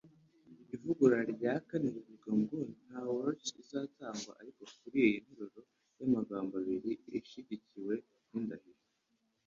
Ivugurura rya kane rivuga ngo Nta warrants izatangwa ariko kuri iyi nteruro yamagambo abiri ishyigikiwe nindahiro